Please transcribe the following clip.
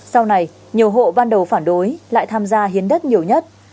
sau này nhiều hộ ban đầu phản đối lại tham gia hiến đất nhiều nhất